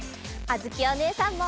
あづきおねえさんも！